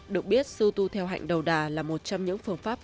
được biết sư tu theo hạnh đầu đà là một trong những phương pháp